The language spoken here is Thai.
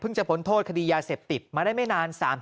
จะพ้นโทษคดียาเสพติดมาได้ไม่นาน